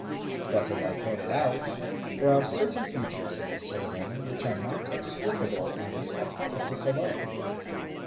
But, as I pointed out, there are certain features in the ceremony which are not explicable on this hypothesis alone.